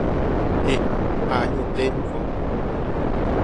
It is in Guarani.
E'a ha añeténiko.